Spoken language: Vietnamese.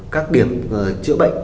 các điểm chữa bệnh